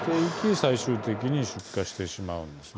最終的に出火してしまうんですね。